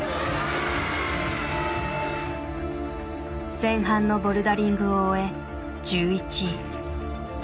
前半のボルダリングを終え１１位。